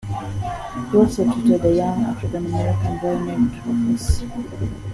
He also tutored a young African American boy named Rufus.